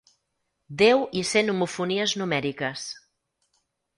Déu hi sent homofonies numèriques.